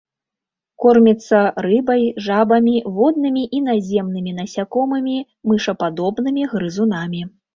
Корміцца рыбай, жабамі, воднымі і наземнымі насякомымі, мышападобнымі грызунамі.